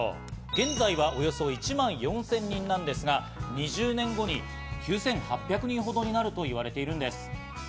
現在はおよそ１万４０００人なんですが、２０年後に９８００人程になると言われているんです。